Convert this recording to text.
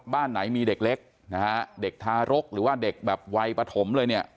บ้านไหนมีเด็กเล็กนะฮะเด็กทารกหรือว่าเด็กแบบวัยปฐมเลยเนี่ย